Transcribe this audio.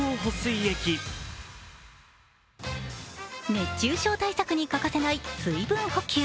熱中症対策に欠かせない水分補給。